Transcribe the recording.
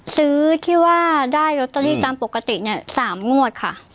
ซื้อที่ว่าได้ลอตเตอรี่ตามปกติเนี่ย๓งวดค่ะ